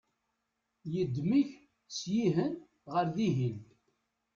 yeddem-ik syihen ɣer dihin